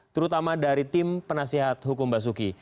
terutama dari tim penasihat hukum basuki